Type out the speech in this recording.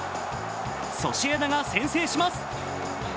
ソシエダが先制します。